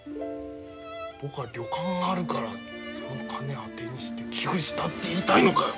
僕は旅館があるからその金あてにして寄付したって言いたいのかよ。